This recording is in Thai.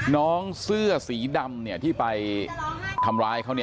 น้องเสื้อสีดำที่ไปทำร้ายเขา